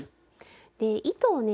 で糸をね